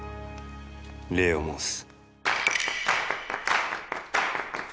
礼を申す。